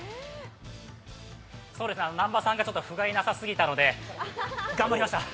南波さんがふがいなさすぎたので頑張りました！